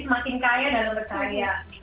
semakin kaya dan berkaya